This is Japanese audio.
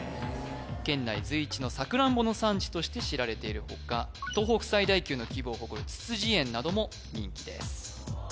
県内随一のさくらんぼの産地として知られているほか東北最大級の規模を誇るつつじ園なども人気です